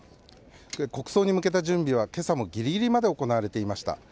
国葬に向けた準備は、今朝もギリギリまで行われていました。